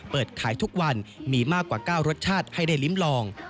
เปิดขายทุกวันมีมากกว่า๙รสชาติให้ได้ลิ้มลอง